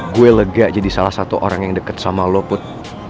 gue lega jadi salah satu orang yang dekat sama lo put